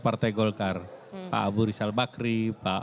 partai golkar pak abu rizal bakri pak